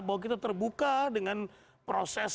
bahwa kita terbuka dengan proses